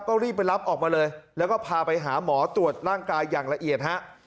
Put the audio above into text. ก็รีบไปรับออกมาเลยแล้วก็พาไปหาหมอตรวจร่างกายอย่างละเอียดฮะ